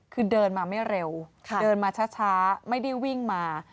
คือเดินมาไม่เร็วเดินมาช้าไม่ได้วิ่งมา